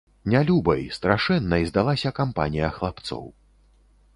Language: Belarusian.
Нялюбай, страшэннай здалася кампанія хлапцоў.